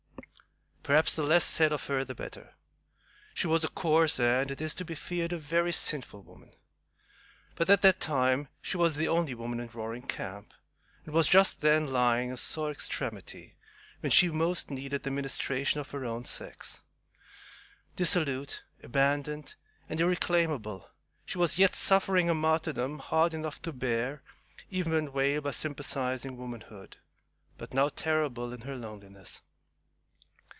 Perhaps the less said of her the better. She was a coarse and, it is to be feared, a very sinful woman. But at that time she was the only woman in Roaring Camp, and was just then lying in sore extremity, when she most needed the ministration of her own sex. Dissolute, abandoned, and irreclaimable, she was yet suffering a martyrdom hard enough to bear even when veiled by sympathizing womanhood, but now terrible in her loneliness.